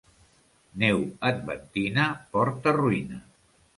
Neu adventina porta ruïna.